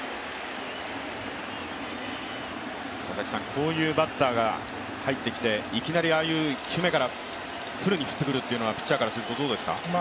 こういうバッターが入ってきて、１球目から振ってくるというのはピッチャーからするとどうですか？